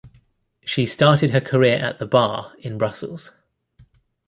She started her career at the Bar in Brussels.